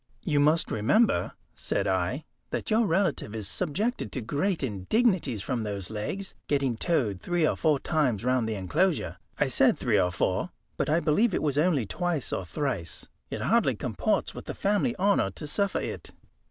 "You must remember," said I, "that your relative is subjected to great indignities from those legs, getting toed three or four times round the enclosure." I said three or four, but I believe it was only twice or thrice. "It hardly comports with the family honour to suffer it."